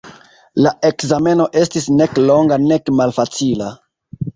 La ekzameno estis nek longa, nek malfacila.